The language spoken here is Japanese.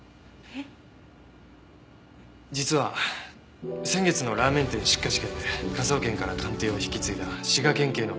実は先月のラーメン店失火事件で科捜研から鑑定を引き継いだ滋賀県警の物理研究員